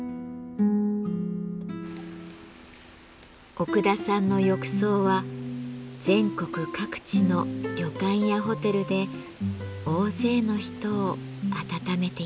奥田さんの浴槽は全国各地の旅館やホテルで大勢の人を温めています。